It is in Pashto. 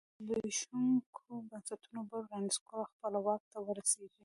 له زبېښونکو بنسټونو بل رانسکور او خپله واک ته ورسېږي.